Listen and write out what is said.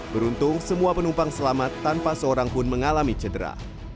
beruntung semua penumpang selamat tanpa seorang pun mengalami cedera